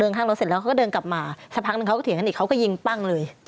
ข้างรถเสร็จแล้วเขาก็เดินกลับมาสักพักนึงเขาก็เถียงกันอีกเขาก็ยิงปั้งเลย